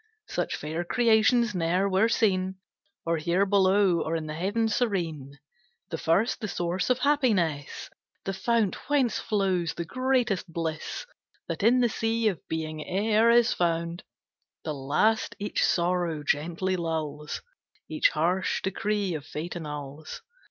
Such fair creations ne'er were seen, Or here below, or in the heaven serene. The first, the source of happiness, The fount whence flows the greatest bliss That in the sea of being e'er is found; The last each sorrow gently lulls, Each harsh decree of Fate annuls.